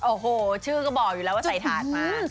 โอ้โหชื่อก็บอกอยู่แล้วว่าใส่ถาดมา